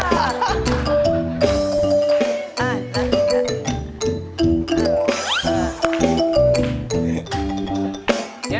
เอาเอาเอา